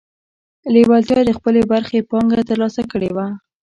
لېوالتیا د خپلې برخې پانګه ترلاسه کړې وه